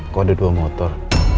kok ada dua motor